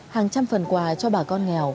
hàng trăm phần quà cho bà con nghèo